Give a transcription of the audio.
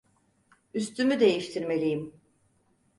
Üstümü değiştirmeliyim.